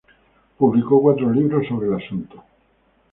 Publicó cuatro libros sobre el tema.